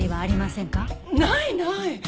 ないない！